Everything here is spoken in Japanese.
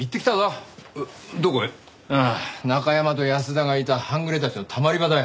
ああ中山と安田がいた半グレたちのたまり場だよ。